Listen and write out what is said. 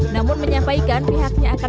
namun menyampaikan pihaknya akan